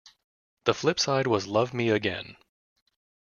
The flip side was "Love Me Again".